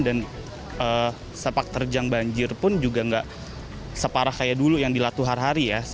dan sepak terjang banjir pun juga nggak separah kayak dulu yang dilatu har hari ya